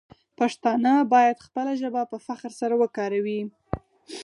پښتانه باید خپله ژبه په فخر سره وکاروي.